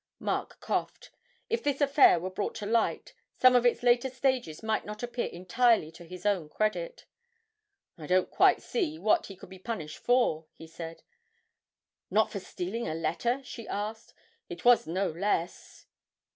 Mark coughed. If this affair were brought to light, some of its later stages might not appear entirely to his own credit. 'I don't quite see what he could be punished for,' he said. 'Not for stealing a letter?' she asked. 'It was no less.'